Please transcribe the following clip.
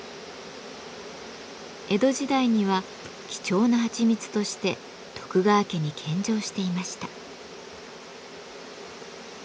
江戸時代には貴重なはちみつとして徳川家に献上していました。